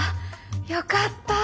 よかった。